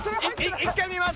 １回見ます！